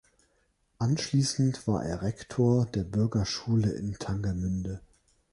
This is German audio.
Anschließend war er Rektor der Bürgerschule in Tangermünde.